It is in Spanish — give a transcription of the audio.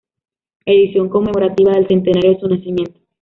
Edición conmemorativa del centenario de su nacimiento.